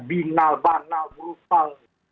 binal banal burukal